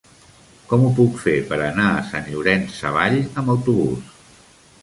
Com ho puc fer per anar a Sant Llorenç Savall amb autobús?